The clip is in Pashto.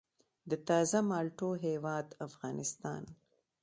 د تازه مالټو هیواد افغانستان.